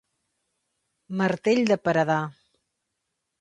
Martell de paredar.